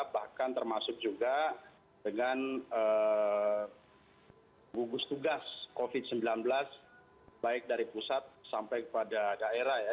bahkan termasuk juga dengan gugus tugas covid sembilan belas baik dari pusat sampai kepada daerah ya